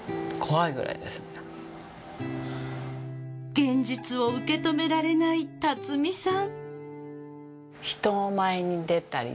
現実を受け止められない巽さん。